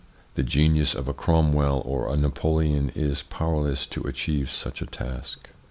The genius of a Cromwell or a Napoleon is powerless to achieve such a task.